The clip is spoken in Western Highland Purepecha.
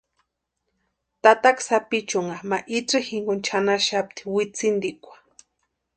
Tataka sapichunha ma itsï jinkoni chʼanaxapti witsintikwa.